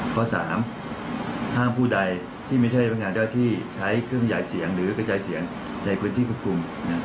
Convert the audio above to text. ข้อ๓ห้ามผู้ใดที่ไม่ใช่พนักงานเจ้าที่ใช้เครื่องขยายเสียงหรือกระจายเสียงในพื้นที่ควบคุม